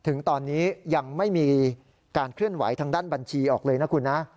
ถึงตอนนี้ยังไม่มีการเคลื่อนไหวทางด้านบัญชีออกเลยนะคุณนะ